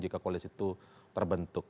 jika koalisi itu terbentuk